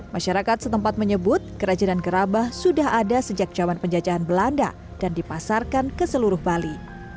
masyarakat setempat menyebut kerajinan gerabah sudah ada sejak zaman penjajahan belanda dan dipasarkan ke seluruh bali